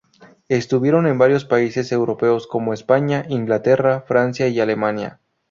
Estuvieron en varios países europeos como España, Inglaterra, Francia y Alemania.